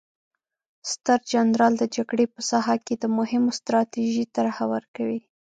ستر جنرال د جګړې په ساحه کې د مهمو ستراتیژیو طرحه ورکوي.